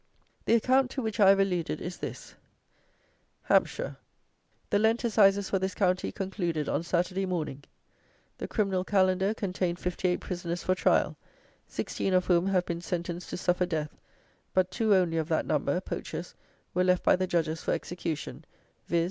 The account, to which I have alluded, is this: "HAMPSHIRE. The Lent Assizes for this county concluded on Saturday morning. The Criminal Calendar contained 58 prisoners for trial, 16 of whom have been sentenced to suffer death, but two only of that number (poachers) were left by the Judges for execution, viz.